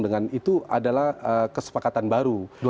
dengan itu adalah kesepakatan baru